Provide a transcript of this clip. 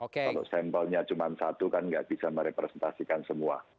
kalau sampelnya cuma satu kan nggak bisa merepresentasikan semua